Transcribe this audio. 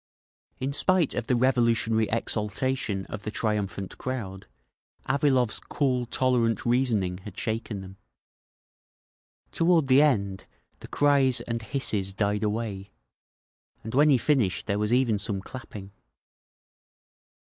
In spite of the revolutionary exaltation of the triumphant crowd, Avilov's cool tolerant reasoning had shaken them. Toward the end, the cries and hisses died away, and when he finished there was even some clapping.